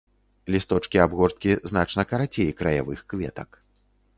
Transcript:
Лісточкі абгорткі значна карацей краявых кветак.